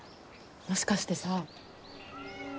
もしかしてさ。